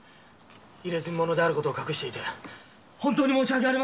「入墨者」であることを隠していて申し訳ありませんでした。